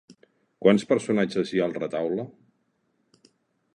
Quants personatges hi ha al retaule?